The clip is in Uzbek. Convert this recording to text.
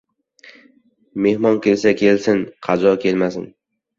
• Mehmon kelsa kelsin, qazo kelmasin.